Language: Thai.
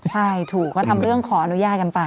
ใช่ถูกก็ทำเรื่องขออนุญาตกันไป